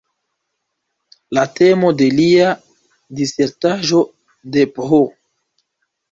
La temo de lia disertaĵo de Ph.